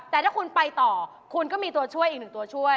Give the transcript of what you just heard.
แต่ถ้าคุณไปต่อคุณก็มีตัวช่วยอีกหนึ่งตัวช่วย